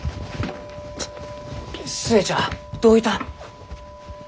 寿恵ちゃんどういた？